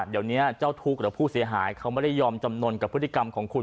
เดี๋ยวนี้เจ้าทุกข์หรือผู้เสียหายเขาไม่ได้ยอมจำนวนกับพฤติกรรมของคุณ